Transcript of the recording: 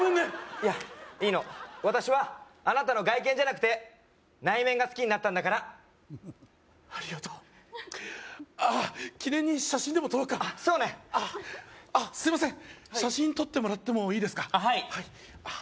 いやいいの私はあなたの外見じゃなくて内面が好きになったんだからありがとうあっ記念に写真でも撮ろうかそうねあっすいません写真撮ってもらってもいいですかあっ